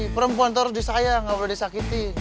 perempuan terus disayang gak boleh disakiti